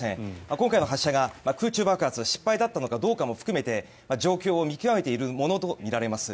今回の発射が空中爆発失敗だったのかどうかも含めて状況を見極めているものとみられます。